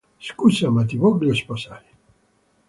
Scusa ma ti voglio sposare